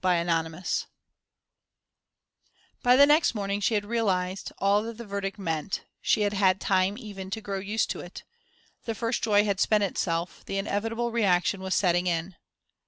_" Chapter XXXIX By the next morning, she had realized all that the verdict meant; she had had time even to grow used to it. The first joy had spent itself, the inevitable reaction was setting in.